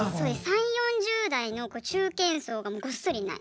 ３０４０代の中堅層がごっそりいない。